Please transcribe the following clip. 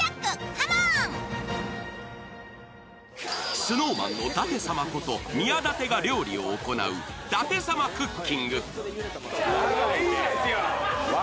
ＳｎｏｗＭａｎの舘様こと宮舘が料理を行う舘様クッキング。